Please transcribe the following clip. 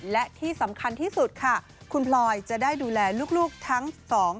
และที่สำคัญที่สุดค่ะคุณพลอยจะได้ดูแลลูกทั้งสองคน